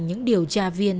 những điều tra viên